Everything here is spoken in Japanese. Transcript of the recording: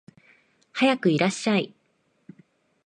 はやくいらっしゃい